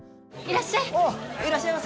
いらっしゃい。